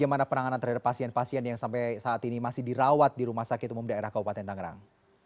bagaimana penanganan terhadap pasien pasien yang sampai saat ini masih dirawat di rumah sakit umum daerah kabupaten tangerang